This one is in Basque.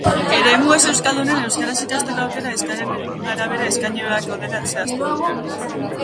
Eremu ez euskaldunean euskaraz ikasteko aukera eskaeraren arabera eskaini beharko dela zehaztuko du.